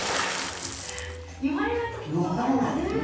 言われないと分からないですね。